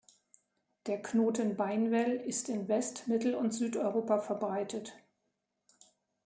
Der Knoten-Beinwell ist in West-, Mittel- und Südeuropa verbreitet.